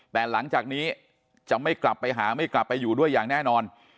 แต่หลังจากนี้จะไม่กลับไปหาไม่กลับไปอยู่ด้วยอย่างแน่นอน